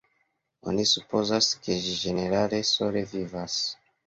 Oni supozas ke ĝi ĝenerale sole vivas.